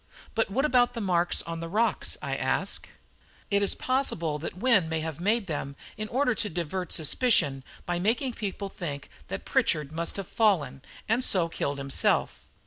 "But what about the marks on the rocks?" I asked. "It is possible that Wynne may have made them in order to divert suspicion by making people think that Pritchard must have fallen, and so killed himself.